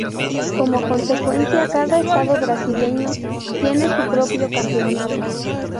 Como consecuencia, cada estado brasileño tiene su propio campeonato.